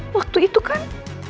waktu itu kan